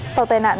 sau tai nạn